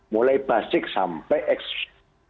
mulai basic sampai ekstrem